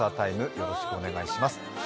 よろしくお願いします。